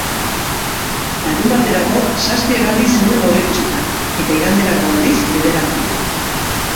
Larunbaterako zazpi hegaldi zeuden aurreikusita, eta iganderako, aldiz, bederatzi.